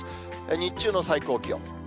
日中の最高気温。